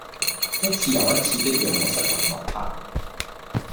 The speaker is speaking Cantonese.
一次又一次的讓我失魂落魄